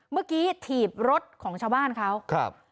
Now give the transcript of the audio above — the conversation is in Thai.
เมื่อกี้ถีบรถของชาวบ้านเขาครับ